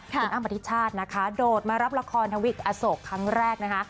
คุณอ้ำอธิชาตินะคะโดดมารับละครทวิกอโศกครั้งแรกนะคะ